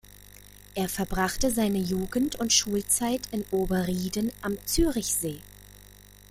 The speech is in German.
Er verbrachte seine Jugend und Schulzeit in Oberrieden am Zürichsee.